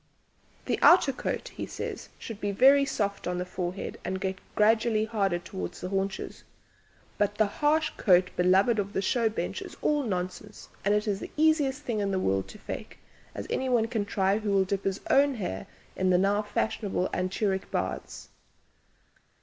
"The outer coat," he says, "should be very soft on the forehead and get gradually harder towards the haunches, but the harsh coat beloved of the show bench is all nonsense, and is the easiest thing in the world to 'fake,' as anyone can try who will dip his own hair into the now fashionable 'anturic' baths.